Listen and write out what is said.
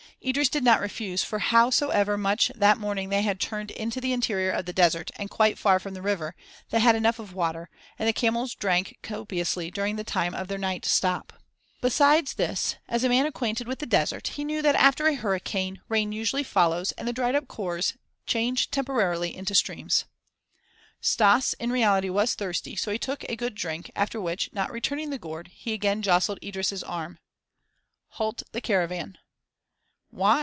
Idris did not refuse for howsoever much that morning they had turned into the interior of the desert and quite far from the river, they had enough of water, and the camels drank copiously during the time of their night stop. Besides this, as a man acquainted with the desert, he knew that after a hurricane, rain usually follows and the dried up "khors" change temporarily into streams. Stas in reality was thirsty, so he took a good drink, after which, not returning the gourd, he again jostled Idris' arm. "Halt the caravan." "Why?"